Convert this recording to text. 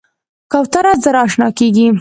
کوتره ژر اشنا کېږي.